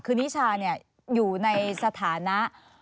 คือนิชาอยู่ในสถานะ